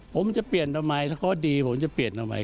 ผมจะเปลี่ยนทำไมถ้าเขาดีผมจะเปลี่ยนทำไม